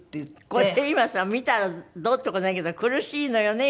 これ今さ見たらどうって事ないけど苦しいのよね